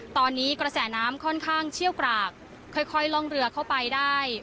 ตอนนี้กระแสน้ำค่อนข้างเชี่ยวกรากค่อยล่องเรือเข้าไปได้